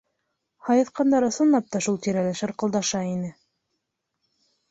Һайыҫҡандар, ысынлап та, шул тирәлә шырҡылдаша ине.